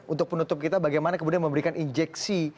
untuk penutup kita bagaimana kemudian memberikan injeksi